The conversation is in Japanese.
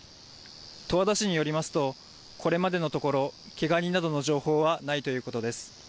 十和田市によりますとこれまでのところ、けが人などの情報はないということです。